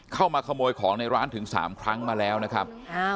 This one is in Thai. เข้ามาขโมยของในร้านถึง๓ครั้งมาแล้วนะครับ